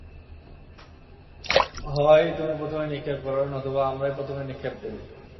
হয় তুমি প্রথমে নিক্ষেপ কর, নতুবা আমরাই প্রথমে নিক্ষেপ করি।